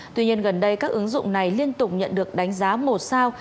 tuy nhiên gần đây các ứng dụng này liên tục nhận được đánh giá một sao